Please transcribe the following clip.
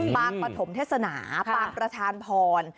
ปางปฐมเทศนาปางประธานพร